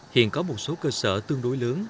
hiện có một số cơ sở tương đối lớn